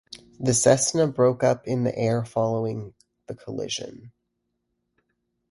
The Cessna broke up in the air following the collision.